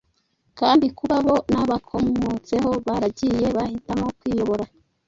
Kandi kuba bo n’ababakomotseho baragiye bahitamo kwiyobora,